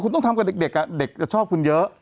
คุณต้องทำกับเด็กเด็กจะชอบคุณเยอะ